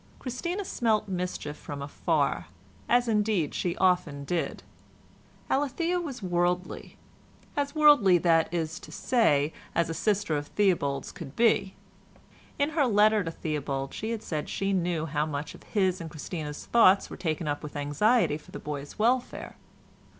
Christina smelt mischief from afar, as indeed she often did. Alethea was worldly—as worldly, that is to say, as a sister of Theobald's could be. In her letter to Theobald she had said she knew how much of his and Christina's thoughts were taken up with anxiety for the boy's welfare.